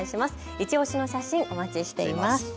いちオシの写真、お待ちしています。